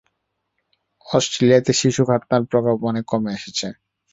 অস্ট্রেলিয়াতে শিশু খৎনার প্রকোপ অনেক কমে এসেছে।